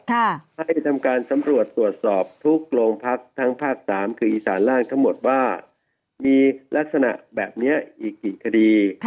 ให้ทำการสำรวจตรวจสอบทุกโรงพักทั้งภาค๓คืออีสานล่างทั้งหมดว่ามีลักษณะแบบนี้อีกกี่คดี